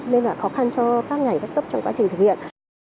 nên là khó khăn cho các ngành các cấp trong quá trình thực hiện